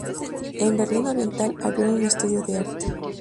En Berlín Oriental, abrieron un estudio del arte.